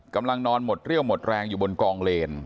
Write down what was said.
กำลังนอนหมดเรี่ยวหมดแรงอยู่บนกองเลน